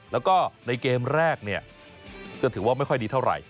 แล้วก็ในเกมแรกเนี่ยก็ถือว่าไม่ค่อยดีเท่าไหร่